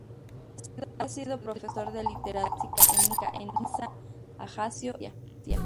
Ha sido profesor de literatura clásica en Niza, Ajaccio y Bastia.